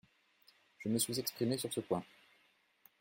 Je me suis exprimée sur ce point.